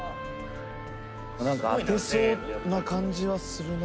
なんか当てそうな感じはするな。